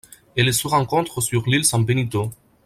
Elle se rencontre sur l'île San Benito.